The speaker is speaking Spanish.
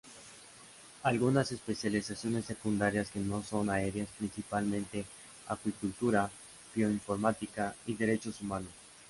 Algunas especializaciones secundarias que no son áreas principales son Acuicultura, Bioinformática, y Derechos Humanos.